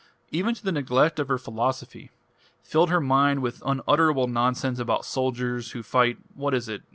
Even to the neglect of her philosophy. Filled her mind with unutterable nonsense about soldiers who fight what is it?